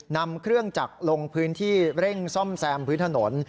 นำเครื่องจักรลงพื้นที่เร่งซ่อมแซมพื้นถนน